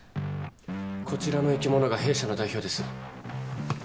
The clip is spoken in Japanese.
こちらの生き物が弊社の代表です。